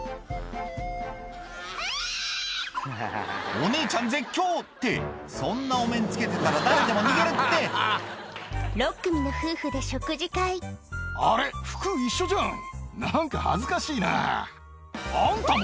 お姉ちゃん絶叫！ってそんなお面着けてたら誰でも逃げるって６組の夫婦で食事会何か恥ずかしいな。あんたも？